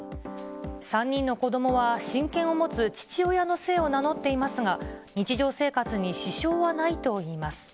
３人の子どもは親権を持つ父親の姓を名乗っていますが、日常生活に支障はないといいます。